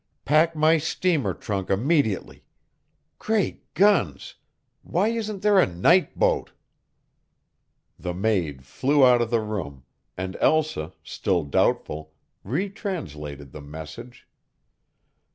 Pack my steamer trunk immediately. Great guns! Why isn't there a night boat?" The maid flew out of the room, and Elsa, still doubtful, retranslated the message.